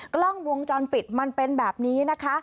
กล้องวงจรปิดมันเป็นแบบนี้นะคะ